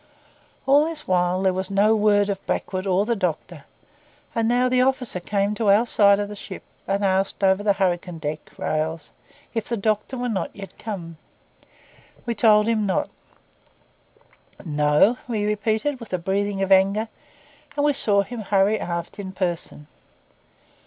All this while there was no word of Blackwood or the doctor; and now the officer came to our side of the ship and asked, over the hurricane deck rails, if the doctor were not yet come. We told him not. 'No?' he repeated with a breathing of anger; and we saw him hurry aft in person.